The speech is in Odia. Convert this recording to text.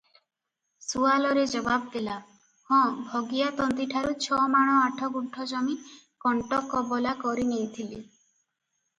ସୁଆଲରେ ଜବାବ ଦେଲା, "ହଁ ଭଗିଆ ତନ୍ତୀଠାରୁ ଛମାଣ ଆଠଗୁଣ୍ଠ ଜମି କଣ୍ଟ କବଲା କରିନେଇଥିଲେ ।